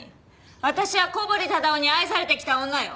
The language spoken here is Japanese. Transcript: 私は小堀忠夫に愛されてきた女よ。